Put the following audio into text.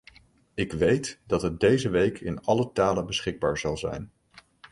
Ik weet dat het deze week in alle talen beschikbaar zal zijn.